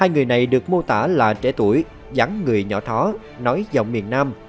hai người này được mô tả là trẻ tuổi dắn người nhỏ thó nói giọng miền nam